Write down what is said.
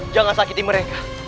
jangan sakiti mereka